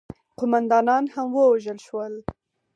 قوماندانان هم ووژل شول.